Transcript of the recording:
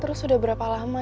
terus sudah berapa lama